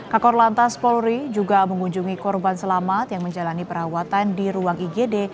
kakor lantas polri juga mengunjungi korban selamat yang menjalani perawatan di ruang igd